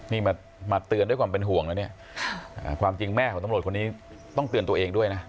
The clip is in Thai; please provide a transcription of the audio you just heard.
นี่มาเตือนด้วยความเป็นห่วงนะเนี่ยความจริงแม่ของตำรวจคนนี้ต้องเตือนตัวเองด้วยนะ